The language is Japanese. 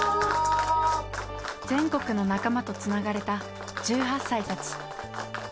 全国の仲間とつながれた１８歳たち。